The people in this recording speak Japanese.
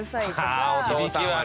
ああお父さんはね。